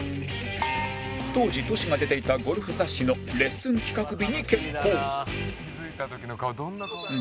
当時トシが出ていたゴルフ雑誌のレッスン企画日に決行